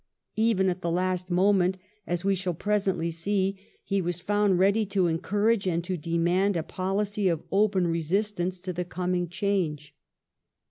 Even at the last moment, as we shall presently see, he was found ready to encourage and to demand a policy of open resistance to the coming change.